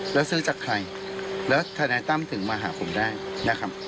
แล้วซื้อจากใครแล้วทนายตั้มถึงมาหาผมได้นะครับ